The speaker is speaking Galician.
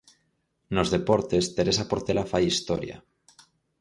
Nos deportes, Teresa Portela fai historia.